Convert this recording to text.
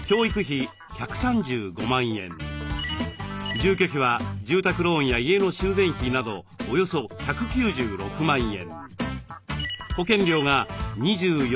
住居費は住宅ローンや家の修繕費などおよそ１９６万円。